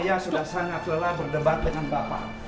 saya sudah sangat lelah berdebat dengan bapak